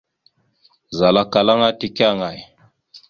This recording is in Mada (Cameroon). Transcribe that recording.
Zal akkal aŋa teke aŋay ?